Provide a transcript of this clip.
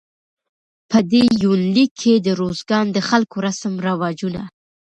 په دې يونليک کې د روزګان د خلکو رسم رواجونه